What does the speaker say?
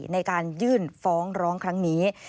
ในการยื่นฟ้องร้องครั้งนี้